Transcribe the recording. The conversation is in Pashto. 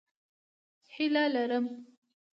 هیله لرم